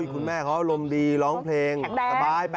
คุณแม่เขารมดีร้องเพลงสบาย๘๐